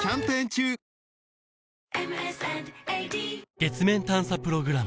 月面探査プログラム